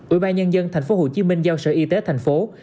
ủy ban nhân dân tp hcm giao sở y tế tp hcm